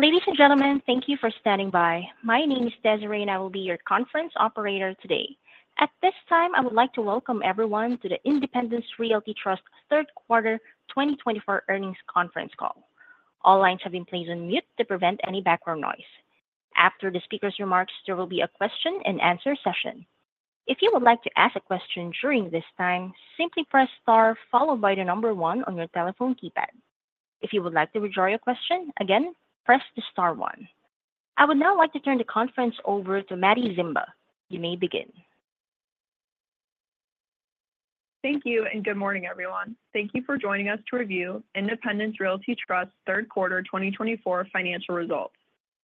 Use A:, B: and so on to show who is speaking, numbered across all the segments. A: Ladies and gentlemen, thank you for standing by. My name is Desiree, and I will be your conference operator today. At this time, I would like to welcome everyone to the Independence Realty Trust third quarter 2024 earnings conference call. All lines have been placed on mute to prevent any background noise. After the speaker's remarks, there will be a question-and-answer session. If you would like to ask a question during this time, simply press star followed by the number one on your telephone keypad. If you would like to withdraw your question, again, press the star one. I would now like to turn the conference over to Maddie Zimba. You may begin.
B: Thank you, and good morning, everyone. Thank you for joining us to review Independence Realty Trust third quarter 2024 financial results.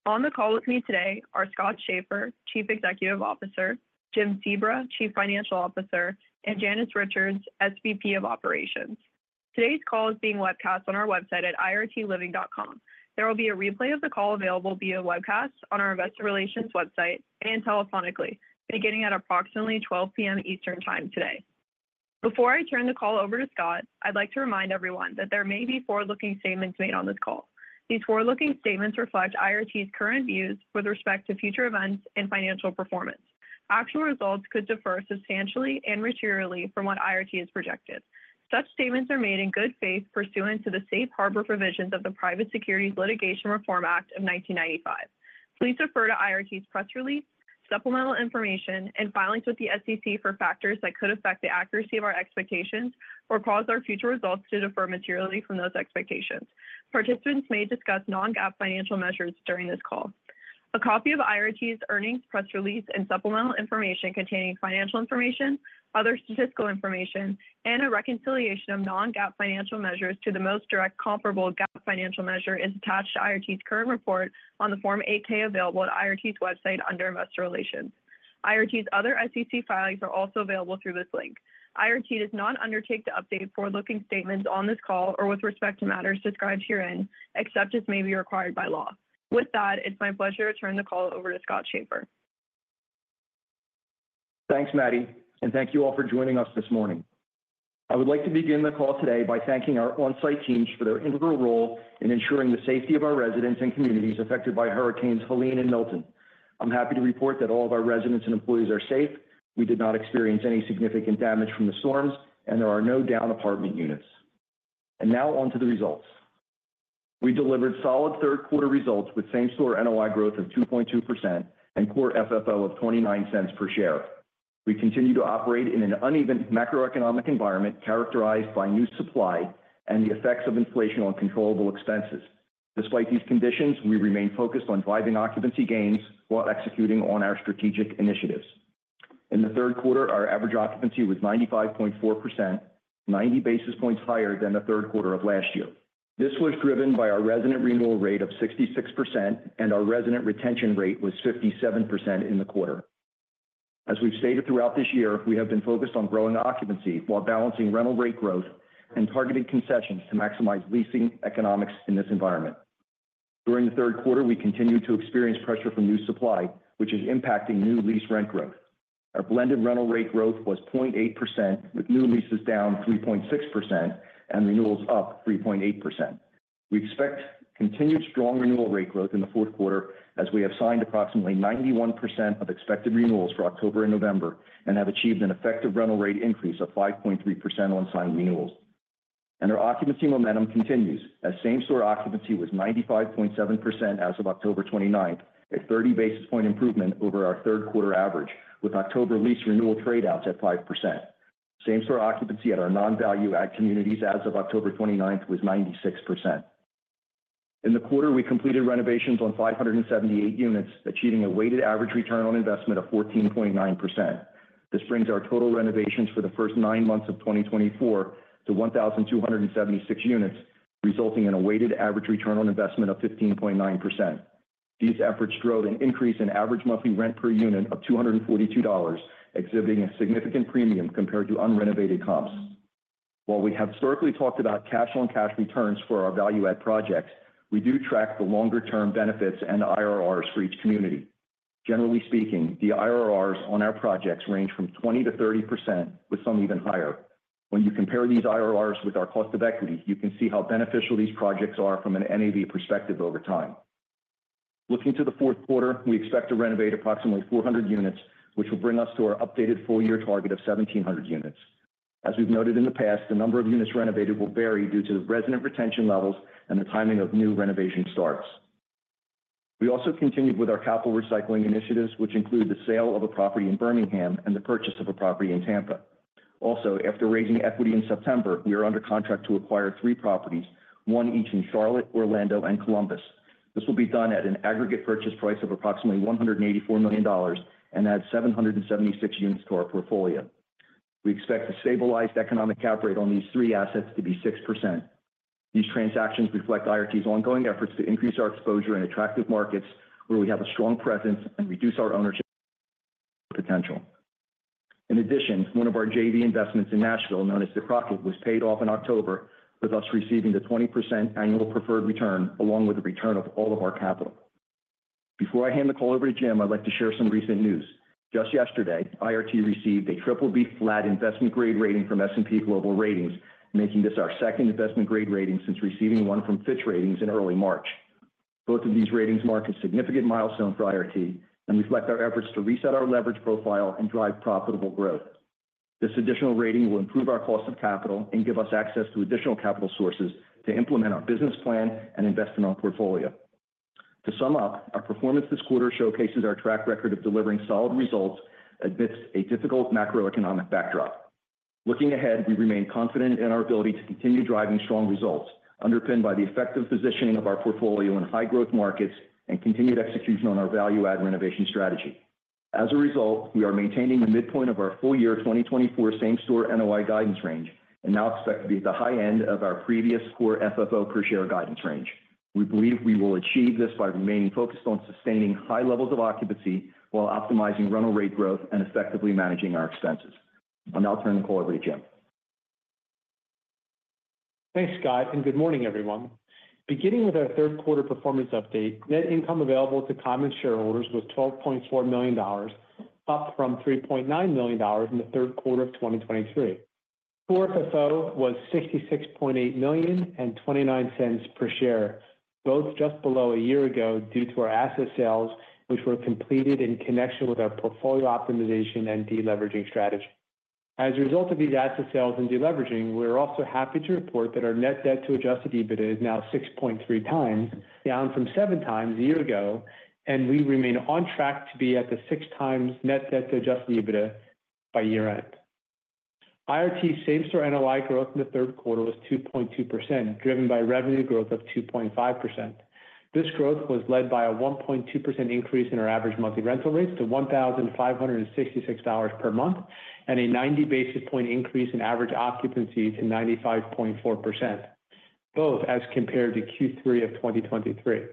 B: On the call with me today are Scott Schaeffer, Chief Executive Officer, Jim Sebra, Chief Financial Officer, and Janice Richards, SVP of Operations. Today's call is being webcast on our website at irtliving.com. There will be a replay of the call available via webcast on our investor relations website and telephonically, beginning at approximately 12:00 P.M. Eastern Time today. Before I turn the call over to Scott, I'd like to remind everyone that there may be forward-looking statements made on this call. These forward-looking statements reflect IRT's current views with respect to future events and financial performance. Actual results could differ substantially and materially from what IRT has projected. Such statements are made in good faith pursuant to the safe harbor provisions of the Private Securities Litigation Reform Act of 1995. Please refer to IRT's press release, supplemental information, and filings with the SEC for factors that could affect the accuracy of our expectations or cause our future results to differ materially from those expectations. Participants may discuss non-GAAP financial measures during this call. A copy of IRT's earnings press release and supplemental information containing financial information, other statistical information, and a reconciliation of non-GAAP financial measures to the most direct comparable GAAP financial measure is attached to IRT's current report on the Form 8-K available at IRT's website under investor relations. IRT's other SEC filings are also available through this link. IRT does not undertake to update forward-looking statements on this call or with respect to matters described herein, except as may be required by law. With that, it's my pleasure to turn the call over to Scott Schaeffer.
C: Thanks, Maddie, and thank you all for joining us this morning. I would like to begin the call today by thanking our on-site teams for their integral role in ensuring the safety of our residents and communities affected by Hurricanes Helene and Milton. I'm happy to report that all of our residents and employees are safe. We did not experience any significant damage from the storms, and there are no downed apartment units. And now on to the results. We delivered solid third-quarter results with same-store NOI growth of 2.2% and core FFO of $0.29 per share. We continue to operate in an uneven macroeconomic environment characterized by new supply and the effects of inflation on controllable expenses. Despite these conditions, we remain focused on driving occupancy gains while executing on our strategic initiatives. In the third quarter, our average occupancy was 95.4%, 90 basis points higher than the third quarter of last year. This was driven by our resident renewal rate of 66%, and our resident retention rate was 57% in the quarter. As we've stated throughout this year, we have been focused on growing occupancy while balancing rental rate growth and targeting concessions to maximize leasing economics in this environment. During the third quarter, we continued to experience pressure from new supply, which is impacting new lease rent growth. Our blended rental rate growth was 0.8%, with new leases down 3.6% and renewals up 3.8%. We expect continued strong renewal rate growth in the fourth quarter as we have signed approximately 91% of expected renewals for October and November and have achieved an effective rental rate increase of 5.3% on signed renewals. Our occupancy momentum continues as same-store occupancy was 95.7% as of October 29th, a 30 basis point improvement over our third-quarter average, with October lease renewal trade-outs at 5%. Same-store occupancy at our non-value-add communities as of October 29th was 96%. In the quarter, we completed renovations on 578 units, achieving a weighted average return on investment of 14.9%. This brings our total renovations for the first nine months of 2024 to 1,276 units, resulting in a weighted average return on investment of 15.9%. These efforts drove an increase in average monthly rent per unit of $242, exhibiting a significant premium compared to unrenovated comps. While we have historically talked about cash-on-cash returns for our value-add projects, we do track the longer-term benefits and IRRs for each community. Generally speaking, the IRRs on our projects range from 20%-30%, with some even higher. When you compare these IRRs with our cost of equity, you can see how beneficial these projects are from an NAV perspective over time. Looking to the fourth quarter, we expect to renovate approximately 400 units, which will bring us to our updated full-year target of 1,700 units. As we've noted in the past, the number of units renovated will vary due to resident retention levels and the timing of new renovation starts. We also continued with our capital recycling initiatives, which include the sale of a property in Birmingham and the purchase of a property in Tampa. Also, after raising equity in September, we are under contract to acquire three properties, one each in Charlotte, Orlando, and Columbus. This will be done at an aggregate purchase price of approximately $184 million and adds 776 units to our portfolio. We expect the stabilized economic cap rate on these three assets to be 6%. These transactions reflect IRT's ongoing efforts to increase our exposure in attractive markets where we have a strong presence and reduce our ownership potential. In addition, one of our JV investments in Nashville, known as The Crockett, was paid off in October, with us receiving the 20% annual preferred return along with the return of all of our capital. Before I hand the call over to Jim, I'd like to share some recent news. Just yesterday, IRT received a triple B flat investment grade rating from S&P Global Ratings, making this our second investment grade rating since receiving one from Fitch Ratings in early March. Both of these ratings mark a significant milestone for IRT and reflect our efforts to reset our leverage profile and drive profitable growth. This additional rating will improve our cost of capital and give us access to additional capital sources to implement our business plan and invest in our portfolio. To sum up, our performance this quarter showcases our track record of delivering solid results amidst a difficult macroeconomic backdrop. Looking ahead, we remain confident in our ability to continue driving strong results, underpinned by the effective positioning of our portfolio in high-growth markets and continued execution on our value-add renovation strategy. As a result, we are maintaining the midpoint of our full-year 2024 same-store NOI guidance range and now expect to be at the high end of our previous core FFO per share guidance range. We believe we will achieve this by remaining focused on sustaining high levels of occupancy while optimizing rental rate growth and effectively managing our expenses. And I'll turn the call over to Jim.
D: Thanks, Scott, and good morning, everyone. Beginning with our third-quarter performance update, net income available to common shareholders was $12.4 million, up from $3.9 million in the third quarter of 2023. Core FFO was $66.8 million and $0.29 per share, both just below a year ago due to our asset sales, which were completed in connection with our portfolio optimization and deleveraging strategy. As a result of these asset sales and deleveraging, we are also happy to report that our net debt to adjusted EBITDA is now 6.3 times, down from 7 times a year ago, and we remain on track to be at the 6 times net debt to adjusted EBITDA by year-end. IRT's same-store NOI growth in the third quarter was 2.2%, driven by revenue growth of 2.5%. This growth was led by a 1.2% increase in our average monthly rental rates to $1,566 per month and a 90 basis point increase in average occupancy to 95.4%, both as compared to Q3 of 2023.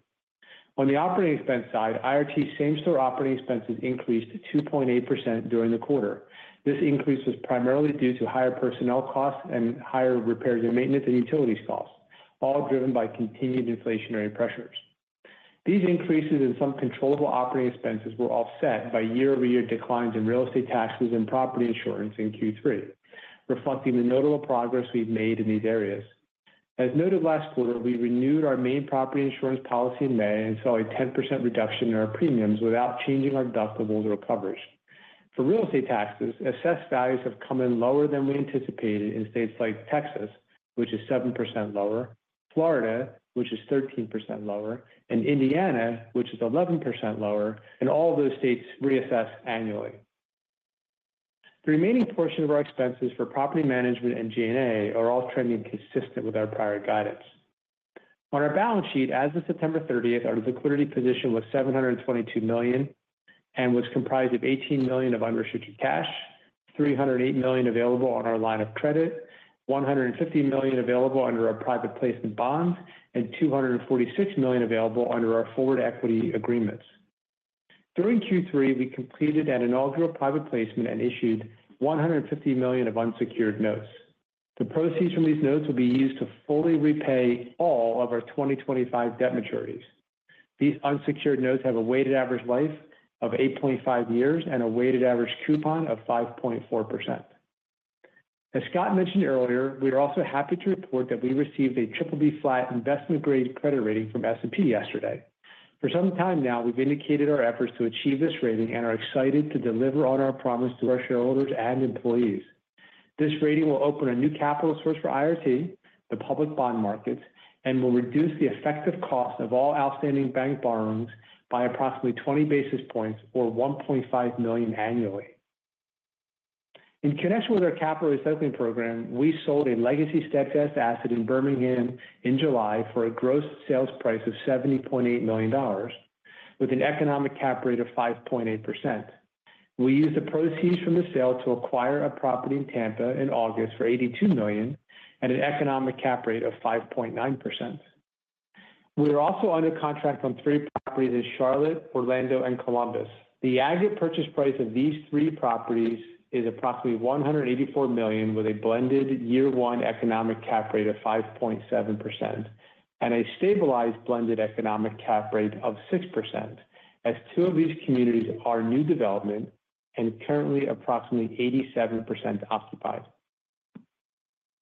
D: On the operating expense side, IRT's same-store operating expenses increased 2.8% during the quarter. This increase was primarily due to higher personnel costs and higher repairs and maintenance and utilities costs, all driven by continued inflationary pressures. These increases in some controllable operating expenses were offset by year-over-year declines in real estate taxes and property insurance in Q3, reflecting the notable progress we've made in these areas. As noted last quarter, we renewed our main property insurance policy in May and saw a 10% reduction in our premiums without changing our deductibles or coverage. For real estate taxes, assessed values have come in lower than we anticipated in states like Texas, which is 7% lower, Florida, which is 13% lower, and Indiana, which is 11% lower, and all of those states reassessed annually. The remaining portion of our expenses for property management and G&A are all trending consistent with our prior guidance. On our balance sheet, as of September 30th, our liquidity position was $722 million and was comprised of $18 million of unrestricted cash, $308 million available on our line of credit, $150 million available under our private placement bonds, and $246 million available under our forward equity agreements. During Q3, we completed an inaugural private placement and issued $150 million of unsecured notes. The proceeds from these notes will be used to fully repay all of our 2025 debt maturities. These unsecured notes have a weighted average life of 8.5 years and a weighted average coupon of 5.4%. As Scott mentioned earlier, we are also happy to report that we received a triple B flat investment grade credit rating from S&P yesterday. For some time now, we've indicated our efforts to achieve this rating and are excited to deliver on our promise to our shareholders and employees. This rating will open a new capital source for IRT, the public bond markets, and will reduce the effective cost of all outstanding bank borrowings by approximately 20 basis points or $1.5 million annually. In connection with our capital recycling program, we sold a legacy Steadfast asset in Birmingham in July for a gross sales price of $70.8 million, with an economic cap rate of 5.8%. We used the proceeds from the sale to acquire a property in Tampa in August for $82 million and an economic cap rate of 5.9%. We are also under contract on three properties in Charlotte, Orlando, and Columbus. The aggregate purchase price of these three properties is approximately $184 million, with a blended year-one economic cap rate of 5.7% and a stabilized blended economic cap rate of 6%, as two of these communities are new development and currently approximately 87% occupied.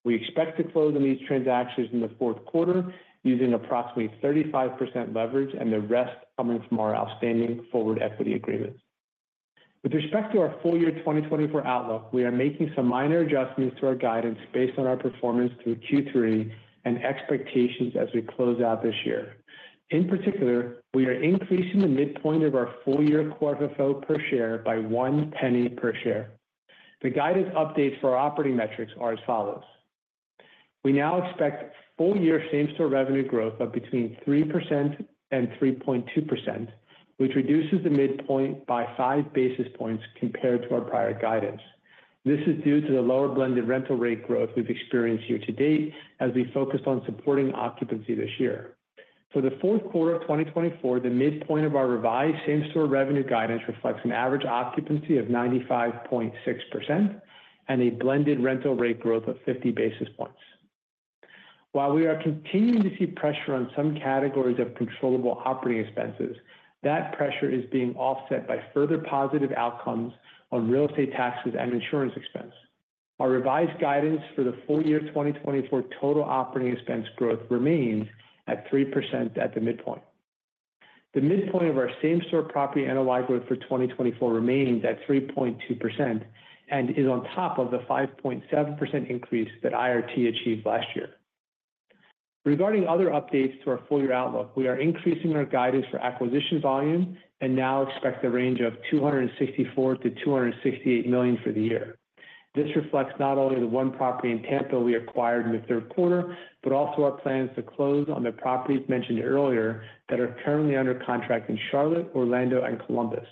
D: We expect to close on these transactions in the fourth quarter using approximately 35% leverage and the rest coming from our outstanding forward equity agreements. With respect to our full-year 2024 outlook, we are making some minor adjustments to our guidance based on our performance through Q3 and expectations as we close out this year. In particular, we are increasing the midpoint of our full-year Core FFO per share by $0.01 per share. The guidance updates for our operating metrics are as follows. We now expect full-year same-store revenue growth of between 3% and 3.2%, which reduces the midpoint by five basis points compared to our prior guidance. This is due to the lower blended rental rate growth we've experienced year to date as we focused on supporting occupancy this year. For the fourth quarter of 2024, the midpoint of our revised same-store revenue guidance reflects an average occupancy of 95.6% and a blended rental rate growth of 50 basis points. While we are continuing to see pressure on some categories of controllable operating expenses, that pressure is being offset by further positive outcomes on real estate taxes and insurance expense. Our revised guidance for the full-year 2024 total operating expense growth remains at 3% at the midpoint. The midpoint of our same-store property NOI growth for 2024 remains at 3.2% and is on top of the 5.7% increase that IRT achieved last year. Regarding other updates to our full-year outlook, we are increasing our guidance for acquisition volume and now expect a range of $264-$268 million for the year. This reflects not only the one property in Tampa we acquired in the third quarter, but also our plans to close on the properties mentioned earlier that are currently under contract in Charlotte, Orlando, and Columbus.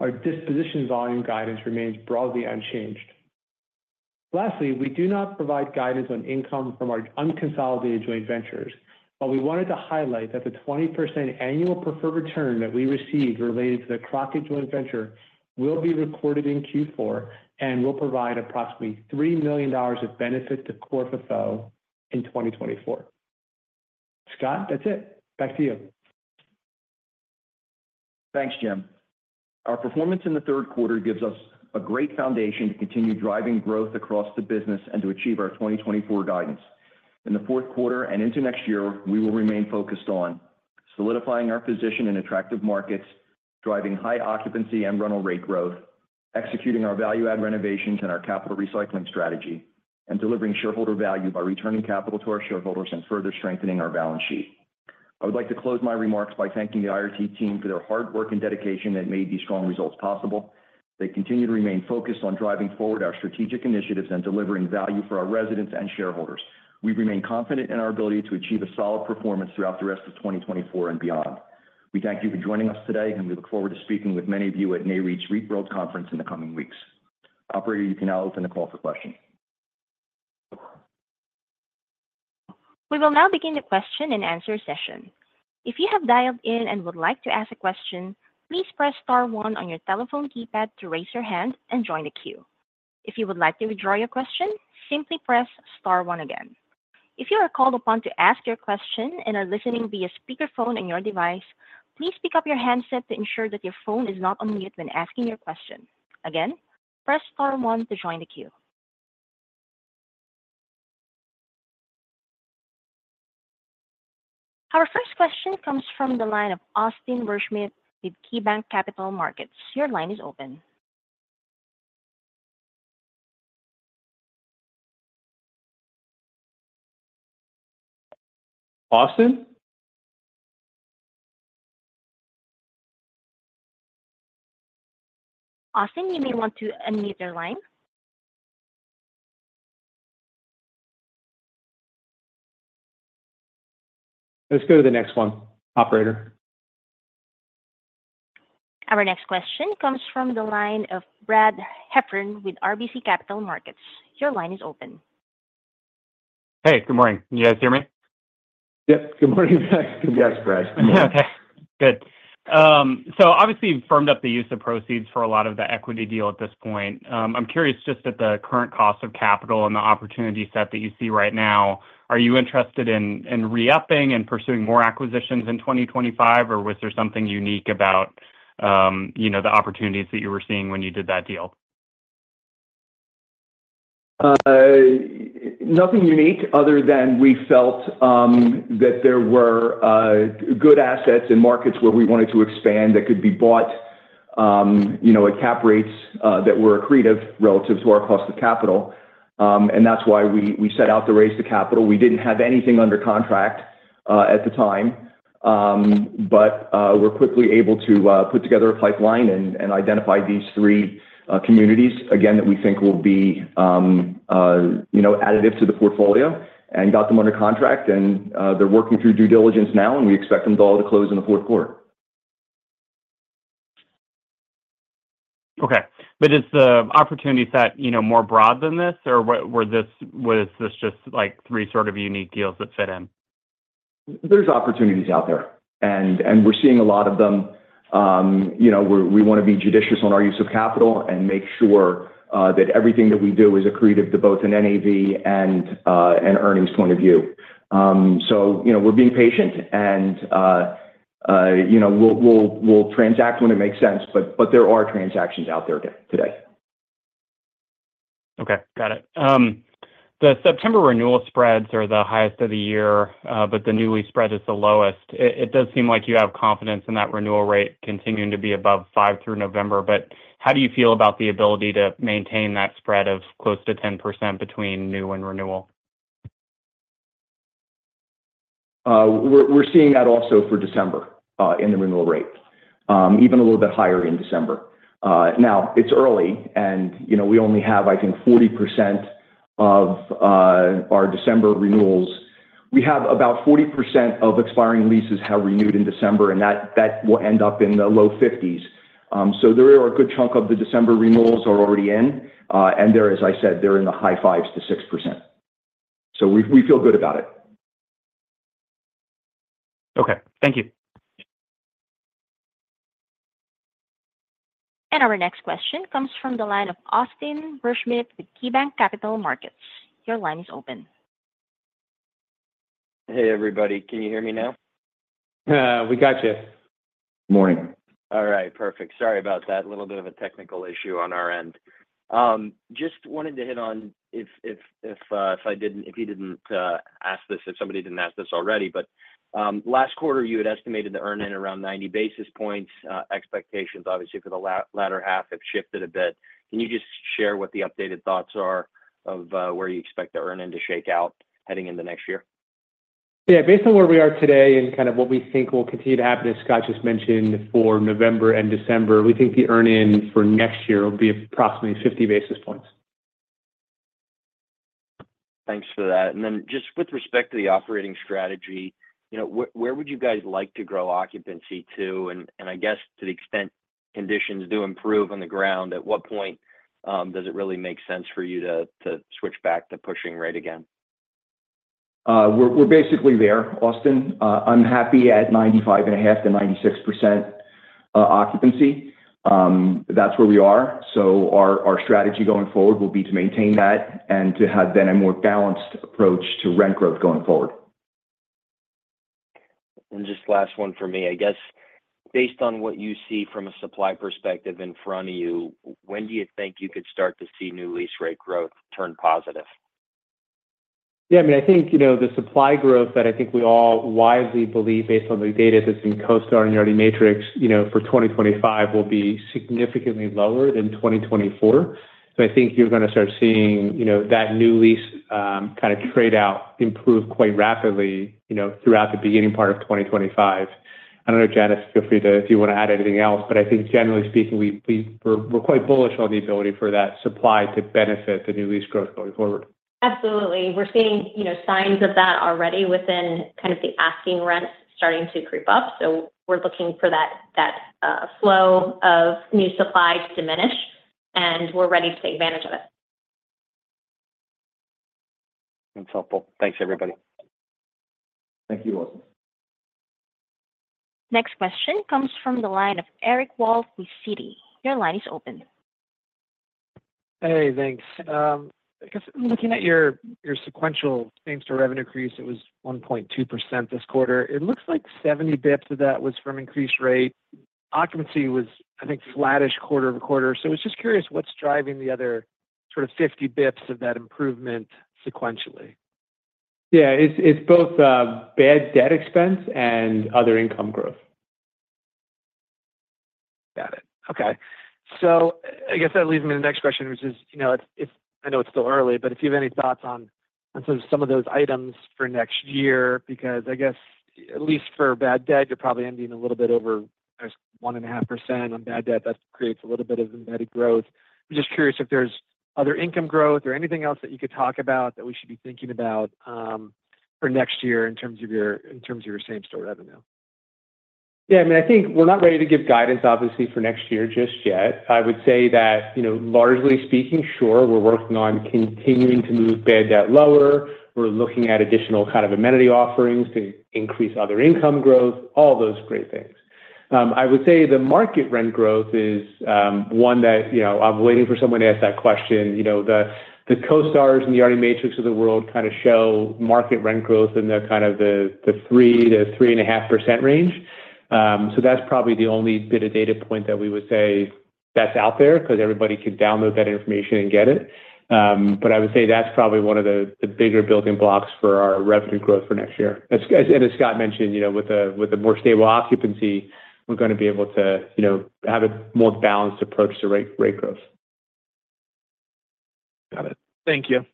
D: Our disposition volume guidance remains broadly unchanged. Lastly, we do not provide guidance on income from our unconsolidated joint ventures, but we wanted to highlight that the 20% annual preferred return that we received related to the Crockett joint venture will be recorded in Q4 and will provide approximately $3 million of benefit to Core FFO in 2024. Scott, that's it. Back to you.
C: Thanks, Jim. Our performance in the third quarter gives us a great foundation to continue driving growth across the business and to achieve our 2024 guidance. In the fourth quarter and into next year, we will remain focused on solidifying our position in attractive markets, driving high occupancy and rental rate growth, executing our value-add renovations and our capital recycling strategy, and delivering shareholder value by returning capital to our shareholders and further strengthening our balance sheet. I would like to close my remarks by thanking the IRT team for their hard work and dedication that made these strong results possible. They continue to remain focused on driving forward our strategic initiatives and delivering value for our residents and shareholders. We remain confident in our ability to achieve a solid performance throughout the rest of 2024 and beyond. We thank you for joining us today, and we look forward to speaking with many of you at Nareit's REITworld Conference in the coming weeks. Operator, you can now open the call for questions.
A: We will now begin the question and answer session. If you have dialed in and would like to ask a question, please press Star 1 on your telephone keypad to raise your hand and join the queue. If you would like to withdraw your question, simply press Star 1 again. If you are called upon to ask your question and are listening via speakerphone on your device, please pick up your handset to ensure that your phone is not on mute when asking your question. Again, press Star 1 to join the queue. Our first question comes from the line of Austin Werschmidt with KeyBanc Capital Markets. Your line is open.s
C: Austin?
A: Austin, you may want to unmute your line.
C: Let's go to the next one, Operator.
A: Our next question comes from the line of Brad Heffern with RBC Capital Markets. Your line is open.
E: Hey, good morning. Can you guys hear me?
C: Yep. Good morning, Brad. Yes, Brad.
F: Okay. Good. So obviously, you've firmed up the use of proceeds for a lot of the equity deal at this point. I'm curious just at the current cost of capital and the opportunity set that you see right now, are you interested in re-upping and pursuing more acquisitions in 2025, or was there something unique about the opportunities that you were seeing when you did that deal?
C: Nothing unique other than we felt that there were good assets in markets where we wanted to expand that could be bought at cap rates that were accretive relative to our cost of capital, and that's why we set out to raise the capital. We didn't have anything under contract at the time, but we're quickly able to put together a pipeline and identify these three communities, again, that we think will be additive to the portfolio, and got them under contract, and they're working through due diligence now, and we expect them all to close in the fourth quarter.
E: Okay. But is the opportunity set more broad than this, or was this just three sort of unique deals that fit in?
C: There's opportunities out there, and we're seeing a lot of them. We want to be judicious on our use of capital and make sure that everything that we do is accretive to both an NAV and earnings point of view. So we're being patient, and we'll transact when it makes sense, but there are transactions out there today.
E: Okay. Got it. The September renewal spreads are the highest of the year, but the new lease spread is the lowest. It does seem like you have confidence in that renewal rate continuing to be above 5% through November, but how do you feel about the ability to maintain that spread of close to 10% between new and renewal?
C: We're seeing that also for December in the renewal rate, even a little bit higher in December. Now, it's early, and we only have, I think, 40% of our December renewals. We have about 40% of expiring leases have renewed in December, and that will end up in the low 50s. So there are a good chunk of the December renewals are already in, and they're, as I said, they're in the high 5%-6%. So we feel good about it.
F: Okay. Thank you.
A: Our next question comes from the line of Austin Werschmidt with KeyBanc Capital Markets. Your line is open.
G: Hey, everybody. Can you hear me now?
C: We got you.
H: Morning. All right. Perfect. Sorry about that little bit of a technical issue on our end. Just wanted to hit on if I didn't ask this, if somebody didn't ask this already, but last quarter, you had estimated the earnings around 90 basis points. Expectations, obviously, for the latter half have shifted a bit. Can you just share what the updated thoughts are of where you expect the earnings to shake out heading into next year?
D: Yeah. Based on where we are today and kind of what we think will continue to happen, as Scott just mentioned, for November and December, we think the earnings for next year will be approximately 50 basis points.
H: Thanks for that. And then just with respect to the operating strategy, where would you guys like to grow occupancy to? And I guess to the extent conditions do improve on the ground, at what point does it really make sense for you to switch back to pushing rate again?
C: We're basically there, Austin. I'm happy at 95.5%-96% occupancy. That's where we are. So our strategy going forward will be to maintain that and to have then a more balanced approach to rent growth going forward.
H: Just last one for me. I guess based on what you see from a supply perspective in front of you, when do you think you could start to see new lease rate growth turn positive?
C: Yeah. I mean, I think the supply growth that I think we all widely believe based on the data that's in CoStar Group and Yardi Matrix for 2025 will be significantly lower than 2024. So I think you're going to start seeing that new lease kind of trade out, improve quite rapidly throughout the beginning part of 2025. I don't know, Janice, feel free to if you want to add anything else, but I think generally speaking, we're quite bullish on the ability for that supply to benefit the new lease growth going forward.
I: Absolutely. We're seeing signs of that already within kind of the asking rents starting to creep up. So we're looking for that flow of new supply to diminish, and we're ready to take advantage of it.
H: That's helpful. Thanks, everybody.
C: Thank you, Austin.
A: Next question comes from the line of Eric Wolfe, Citi. Your line is open.
J: Hey, thanks. I guess looking at your sequential same-store revenue increase, it was 1.2% this quarter. It looks like 70 basis points of that was from increased rate. Occupancy was, I think, flatish quarter over quarter. So I was just curious what's driving the other sort of 50 basis points of that improvement sequentially.
D: Yeah. It's both bad debt expense and other income growth.
J: Got it. Okay. So I guess that leads me to the next question, which is, I know it's still early, but if you have any thoughts on some of those items for next year, because I guess at least for bad debt, you're probably ending a little bit over 1.5% on bad debt. That creates a little bit of embedded growth. I'm just curious if there's other income growth or anything else that you could talk about that we should be thinking about for next year in terms of your same-store revenue.
D: Yeah. I mean, I think we're not ready to give guidance, obviously, for next year just yet. I would say that, largely speaking, sure, we're working on continuing to move bad debt lower. We're looking at additional kind of amenity offerings to increase other income growth, all those great things. I would say the market rent growth is one that I'm waiting for someone to ask that question. The CoStar Group and the Yardi Matrix of the world kind of show market rent growth in the kind of the 3%-3.5% range. So that's probably the only bit of data point that we would say that's out there because everybody can download that information and get it. But I would say that's probably one of the bigger building blocks for our revenue growth for next year. As Scott mentioned, with a more stable occupancy, we're going to be able to have a more balanced approach to rate growth.
J: Got it. Thank you.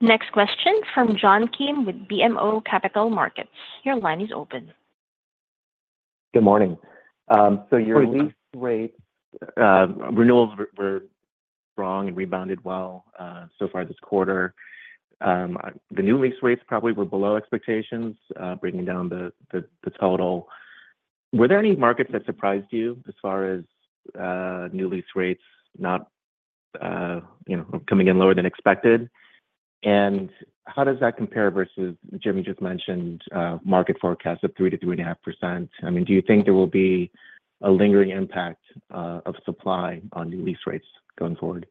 A: Next question from John Kim with BMO Capital Markets. Your line is open.
K: Good morning. So your lease rate renewals were strong and rebounded well so far this quarter. The new lease rates probably were below expectations, bringing down the total. Were there any markets that surprised you as far as new lease rates not coming in lower than expected? And how does that compare versus, Jimmy just mentioned, market forecast of 3%-3.5%? I mean, do you think there will be a lingering impact of supply on new lease rates going forward?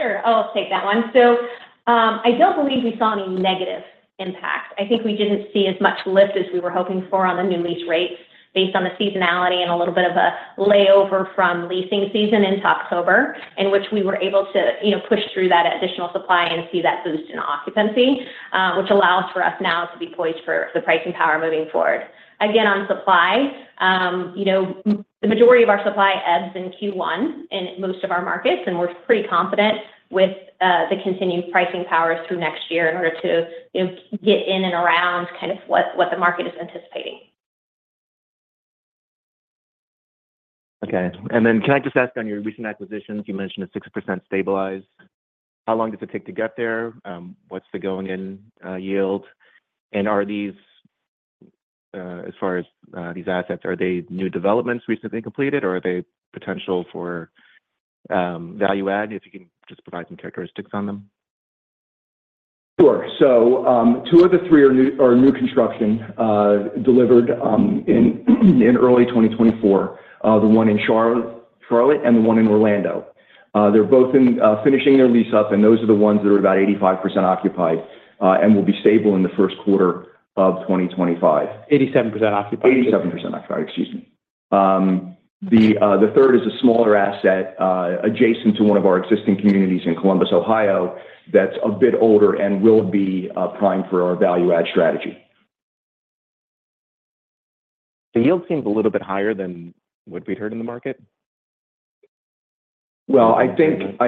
I: Sure. I'll take that one. So I don't believe we saw any negative impact. I think we didn't see as much lift as we were hoping for on the new lease rates based on the seasonality and a little bit of a layover from leasing season into October, in which we were able to push through that additional supply and see that boost in occupancy, which allows for us now to be poised for the pricing power moving forward. Again, on supply, the majority of our supply ebbs in Q1 in most of our markets, and we're pretty confident with the continued pricing power through next year in order to get in and around kind of what the market is anticipating.
K: Okay. And then can I just ask on your recent acquisitions? You mentioned a 6% stabilize. How long does it take to get there? What's the going-in yield? And as far as these assets, are they new developments recently completed, or are they potential for value add if you can just provide some characteristics on them?
C: Sure. Two of the three are new construction delivered in early 2024, the one in Charlotte and the one in Orlando. They're both finishing their lease up, and those are the ones that are about 85% occupied and will be stable in the first quarter of 2025.
D: 87% occupied.
C: 87% occupied, excuse me. The third is a smaller asset adjacent to one of our existing communities in Columbus, Ohio, that's a bit older and will be prime for our value-add strategy.
K: The yield seems a little bit higher than what we'd heard in the market.
C: I think,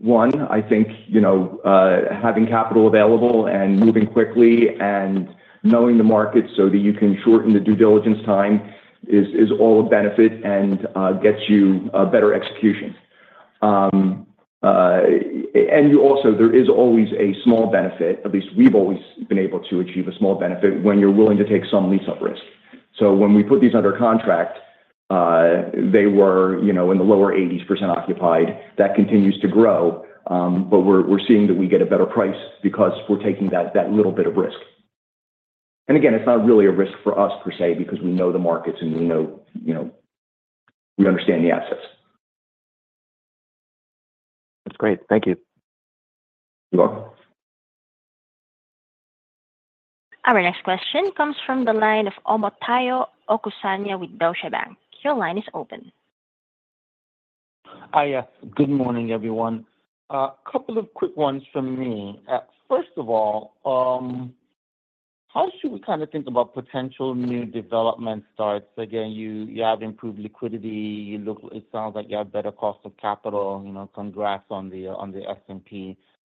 C: one, I think having capital available and moving quickly and knowing the market so that you can shorten the due diligence time is all a benefit and gets you better execution. And also, there is always a small benefit, at least we've always been able to achieve a small benefit when you're willing to take some lease up risk. So when we put these under contract, they were in the lower 80% occupied. That continues to grow, but we're seeing that we get a better price because we're taking that little bit of risk. And again, it's not really a risk for us per se because we know the markets and we know we understand the assets.
K: That's great. Thank you.
C: You're welcome.
A: Our next question comes from the line of Omotayo Okusanya with Deutsche Bank. Your line is open.
L: Hi. Good morning, everyone. A couple of quick ones from me. First of all, how should we kind of think about potential new development starts? Again, you have improved liquidity. It sounds like you have better cost of capital. Congrats on the S&P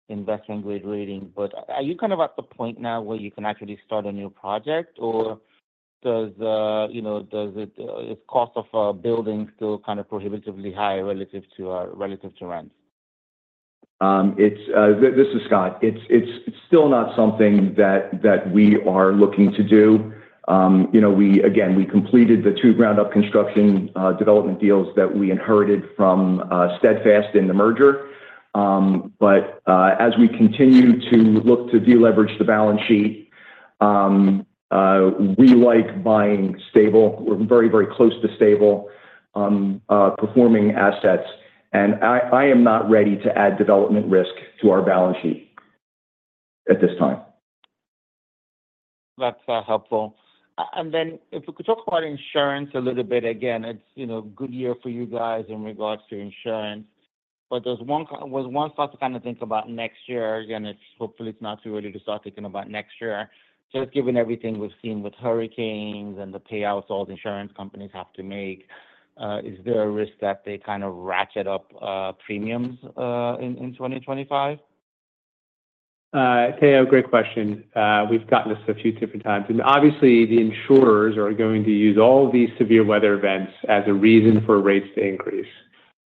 L: Investment Grade rating. But are you kind of at the point now where you can actually start a new project, or is the cost of building still kind of prohibitively high relative to rents?
C: This is Scott. It's still not something that we are looking to do. Again, we completed the two ground-up construction development deals that we inherited from Steadfast in the merger. But as we continue to look to deleverage the balance sheet, we like buying stable or very, very close to stable performing assets. And I am not ready to add development risk to our balance sheet at this time.
L: That's helpful. And then if we could talk about insurance a little bit, again, it's a good year for you guys in regards to insurance. But was one thought to kind of think about next year? Again, hopefully, it's not too early to start thinking about next year. Just given everything we've seen with hurricanes and the payouts all the insurance companies have to make, is there a risk that they kind of ratchet up premiums in 2025?
D: Hey, great question. We've gotten this a few different times, and obviously, the insurers are going to use all of these severe weather events as a reason for rates to increase.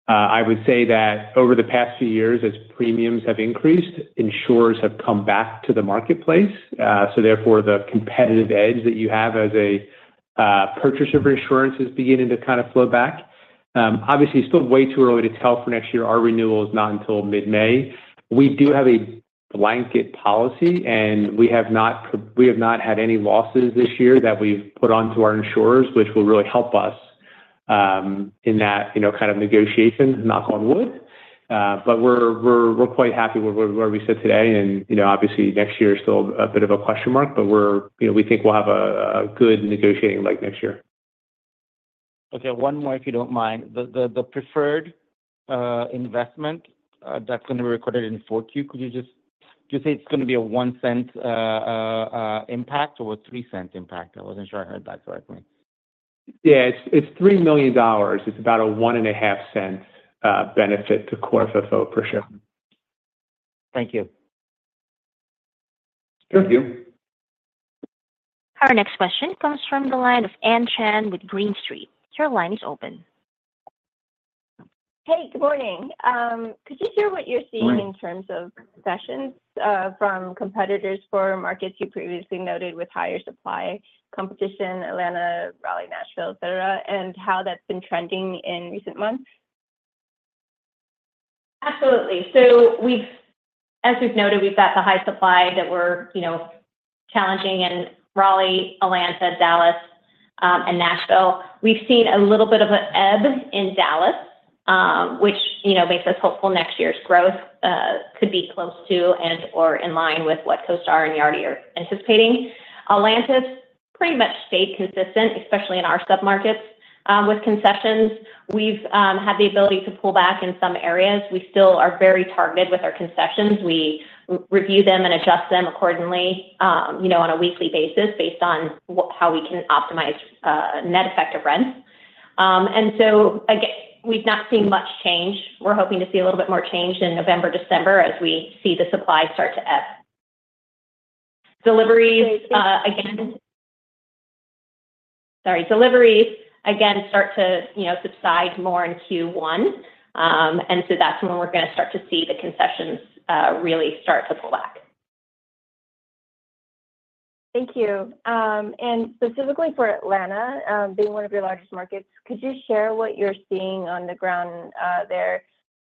D: I would say that over the past few years, as premiums have increased, insurers have come back to the marketplace, so therefore, the competitive edge that you have as a purchaser of insurance is beginning to kind of flow back. Obviously, it's still way too early to tell for next year. Our renewal is not until mid-May. We do have a blanket policy, and we have not had any losses this year that we've put onto our insurers, which will really help us in that kind of negotiation, knock on wood, but we're quite happy with where we sit today. Obviously, next year is still a bit of a question mark, but we think we'll have a good negotiating leg next year.
L: Okay. One more, if you don't mind. The preferred investment that's going to be recorded in fourth quarter, could you just say it's going to be a $0.01 impact or a $0.03 impact? I wasn't sure I heard that correctly.
D: Yeah. It's $3 million. It's about a $0.015 benefit to Core FFO for sure.
L: Thank you.
C: Thank you.
A: Our next question comes from the line of Anne Chan with Green Street. Your line is open.
M: Hey, good morning. Could you hear what you're seeing in terms of sessions from competitors for markets you previously noted with higher supply competition, Atlanta, Raleigh, Nashville, etc., and how that's been trending in recent months?
I: Absolutely. So as we've noted, we've got the high supply that we're challenging in Raleigh, Atlanta, Dallas, and Nashville. We've seen a little bit of an ebb in Dallas, which makes us hopeful next year's growth could be close to and/or in line with what CoStar Group and Yardi Matrix are anticipating. Atlanta's pretty much stayed consistent, especially in our submarkets with concessions. We've had the ability to pull back in some areas. We still are very targeted with our concessions. We review them and adjust them accordingly on a weekly basis based on how we can optimize net effective rents. And so we've not seen much change. We're hoping to see a little bit more change in November, December as we see the supply start to ebb. Deliveries, again sorry, deliveries again start to subside more in Q1. And so that's when we're going to start to see the concessions really start to pull back.
M: Thank you. And specifically for Atlanta, being one of your largest markets, could you share what you're seeing on the ground there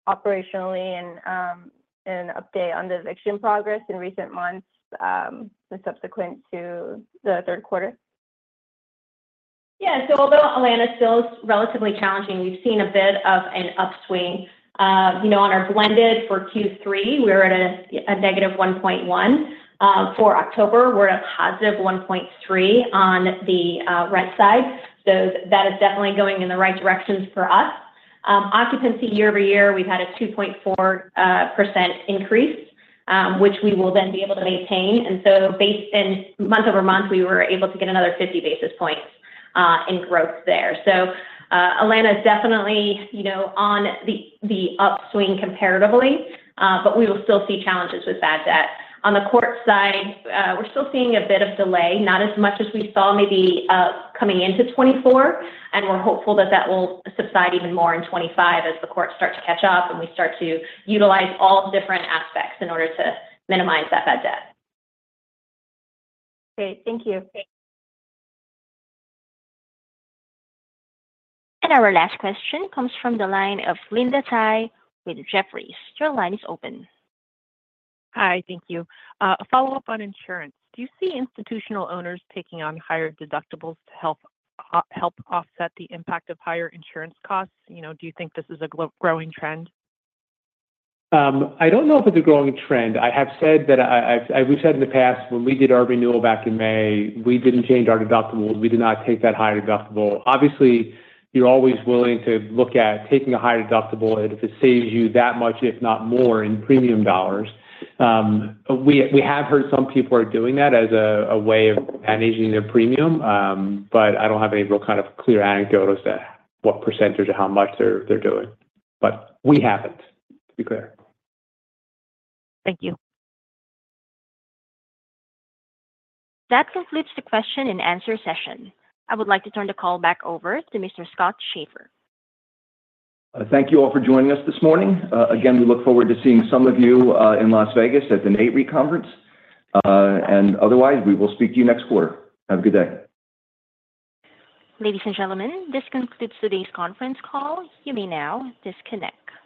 M: operationally and an update on the eviction progress in recent months subsequent to the third quarter?
I: Yeah. So although Atlanta still is relatively challenging, we've seen a bit of an upswing. On our blended for Q3, we're at a negative 1.1%. For October, we're at a positive 1.3% on the rent side. So that is definitely going in the right directions for us. Occupancy year over year, we've had a 2.4% increase, which we will then be able to maintain. And so, based on month over month, we were able to get another 50 basis points in growth there. So Atlanta is definitely on the upswing comparatively, but we will still see challenges with bad debt. On the court side, we're still seeing a bit of delay, not as much as we saw maybe coming into 2024. And we're hopeful that that will subside even more in 2025 as the courts start to catch up and we start to utilize all different aspects in order to minimize that bad debt.
M: Great. Thank you.
A: Our last question comes from the line of Linda Tsai with Jefferies. Your line is open.
N: Hi. Thank you. A follow-up on insurance. Do you see institutional owners taking on higher deductibles to help offset the impact of higher insurance costs? Do you think this is a growing trend?
D: I don't know if it's a growing trend. I have said that we've said in the past, when we did our renewal back in May, we didn't change our deductibles. We did not take that high deductible. Obviously, you're always willing to look at taking a higher deductible if it saves you that much, if not more, in premium dollars. We have heard some people are doing that as a way of managing their premium, but I don't have any real kind of clear anecdotes as to what percentage or how much they're doing. But we haven't, to be clear.
N: Thank you.
A: That concludes the question and answer session. I would like to turn the call back over to Mr. Scott Schaeffer.
C: Thank you all for joining us this morning. Again, we look forward to seeing some of you in Las Vegas at the Nareit Conference, and otherwise, we will speak to you next quarter. Have a good day.
A: Ladies and gentlemen, this concludes today's conference call. You may now disconnect.